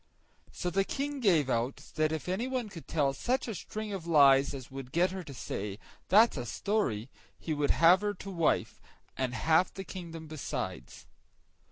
So the King gave out, that if anyone could tell such a string of lies as would get her to say, "That's a story," he should have her to wife, and half the kingdom besides.